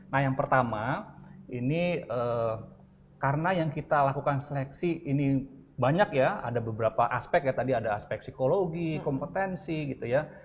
nah yang pertama ini karena yang kita lakukan seleksi ini banyak ya ada beberapa aspek ya tadi ada aspek psikologi kompetensi gitu ya